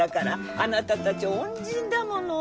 あなたたち恩人だもの。